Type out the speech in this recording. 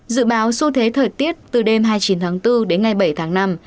dự báo xu thế thời tiết từ đêm hai mươi chín tháng bốn đến ngày bảy tháng năm